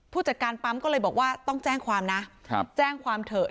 ผู้จัดการปั๊มก็เลยบอกว่าต้องแจ้งความนะแจ้งความเถอะ